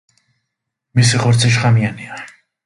მისი ხორცი შხამიანია.